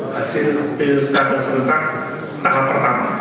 hasil pil kandang seletak tahap pertama